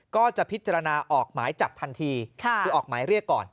ก็จะพิจารณาออกหมายจับทันทีคือออกหมายเรียกก่อน